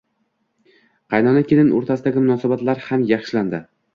Qaynona-kelin oʻrtasidagi munosabatlar ham yaxshilandi